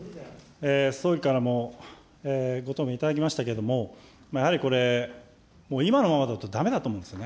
総理からもご答弁いただきましたけれども、やはりこれ、今のままだとだめだと思うんですよね。